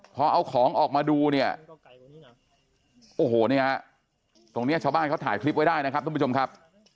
พอเอาของออกมาดูเนี่ยโอ้โหเนี่ยตรงนี้ชาวบ้านเขาถ่ายคลิปไว้ได้นะครับทุกผู้ชมครับ